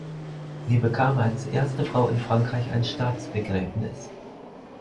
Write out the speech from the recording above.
Sie bekam als erste Frau in Frankreich ein Staatsbegräbnis.